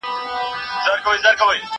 زه پرون بازار ته ځم وم!؟